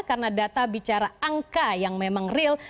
karena data bicara angka yang memang real